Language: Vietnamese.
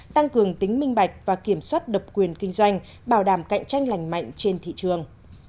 tăng cường tính minh bạch và kiểm soát độc quyền kinh doanh bảo đảm cạnh tranh lành mạnh trên thị trường